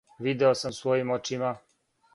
Видео сам својим очима.